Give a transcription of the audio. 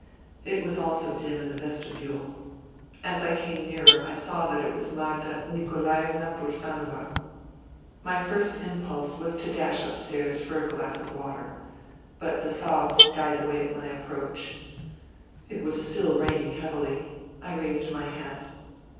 It was also dim in the vestibule. As I came nearer I saw that it was Magda Nikolaevna Bursanova. My first impulse was to dash upstairs for a glass of water. But the sobs died away at my approach. It was still raining heavily. I raised my hat.